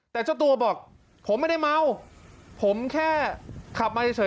แต่เจ้าตัวบอกผมไม่ได้เมาผมแค่ขับมาเฉย